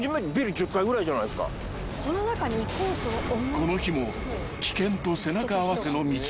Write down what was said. ［この日も］